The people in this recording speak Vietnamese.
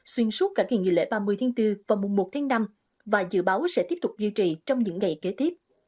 xuyên suốt cả kỳ nghỉ lễ ba mươi tháng bốn và mùa một tháng năm và dự báo sẽ tiếp tục duy trì trong những ngày kế tiếp